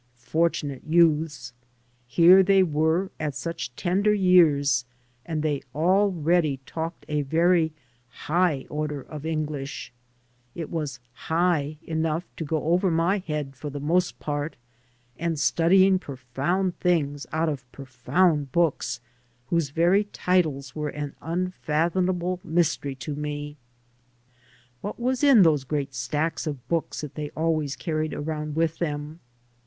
Fortunate youths! Here they were, at such tender years, and they already talked a very "high" order of English — it was "high" enough to go over my head for the most part — and studying profound things out of profound books whose very titles were an unfathomable mystery to me. What was in those great stacks of books that they always carried around with them?